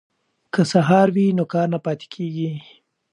که سهار وي نو کار نه پاتې کیږي.